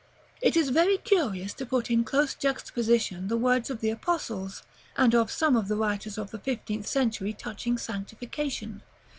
It is very curious to put in close juxtaposition the words of the Apostles and of some of the writers of the fifteenth century touching sanctification.